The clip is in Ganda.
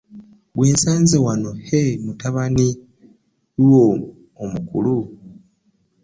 Gwe nsanze wano he mutabani wo omukulu?